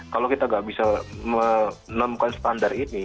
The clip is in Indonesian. kalau kita nggak bisa menemukan standar ini